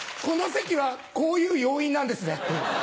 この席はこういう要員なんですね。